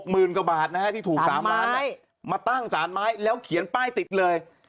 หมื่นกว่าบาทนะฮะที่ถูก๓ล้านมาตั้งสารไม้แล้วเขียนป้ายติดเลย